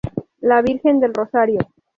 La Virgen del Rosario.